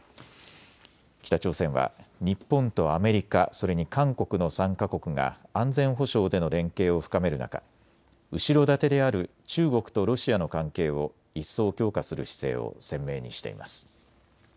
北朝鮮は日本とアメリカ、それに韓国の３か国が安全保障での連携を深める中、後ろ盾である中国とロシアの関係を一層強化する姿勢を鮮明にしています。